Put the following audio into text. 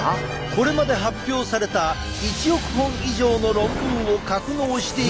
これまで発表された１億本以上の論文を格納しているすごいやつ！